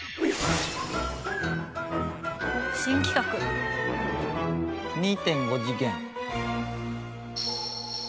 「新企画」「２．５次元？」